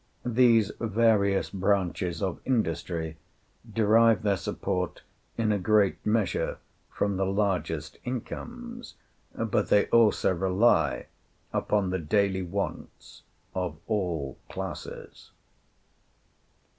These various branches of industry derive their support in a great measure from the largest incomes, but they also rely upon the daily wants of all classes.